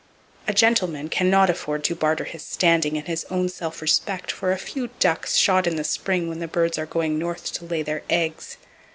A gentleman can not afford to barter his standing and his own self respect for a few ducks shot in the spring when the birds are going north to lay their eggs.